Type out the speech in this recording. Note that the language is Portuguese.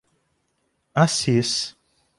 Assis